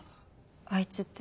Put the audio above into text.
あいつって？